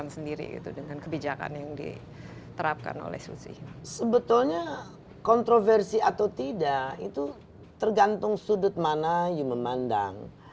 sebetulnya kontroversi atau tidak itu tergantung sudut mana you memandang